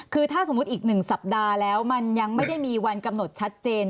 คือถ้าสมมุติอีก๑สัปดาห์แล้วมันยังไม่ได้มีวันกำหนดชัดเจน